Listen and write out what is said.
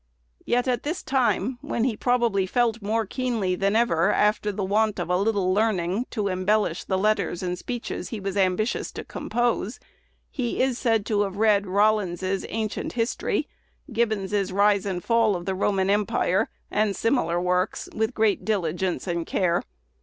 Yet at this time, when he probably felt more keenly than ever after the want of a little learning to embellish the letters and speeches he was ambitious to compose, he is said to have read Rollin's "Ancient History," Gibbon's "Rise and Fall of the Roman Empire," and similar works, with great diligence and care.